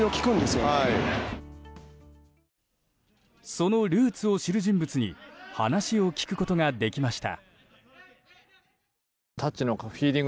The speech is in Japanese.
そのルーツを知る人物に話を聞くことができました。